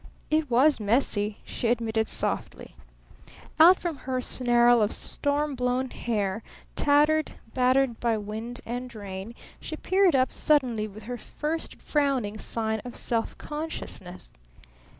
"It was messy," she admitted softly. Out from her snarl of storm blown hair, tattered, battered by wind and rain, she peered up suddenly with her first frowning sign of self consciousness.